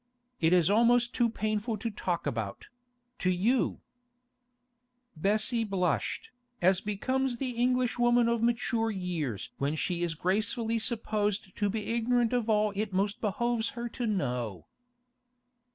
It's almost too painful to talk about—to you.' Bessie blushed, as becomes the Englishwoman of mature years when she is gracefully supposed to be ignorant of all it most behoves her to know.